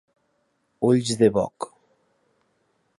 Ulls de boc.